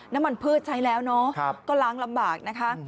น้ำมันพืชใช้แล้วเนาะก็ล้างลำบากนะคะ